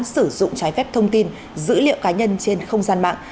sử dụng trái phép thông tin dữ liệu cá nhân trên không gian mạng